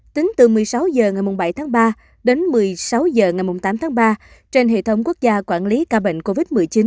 tính từ một mươi sáu h ngày bảy tháng ba đến một mươi sáu h ngày tám tháng ba trên hệ thống quốc gia quản lý ca bệnh covid một mươi chín